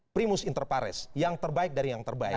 primus inter pares yang terbaik dari yang terbaik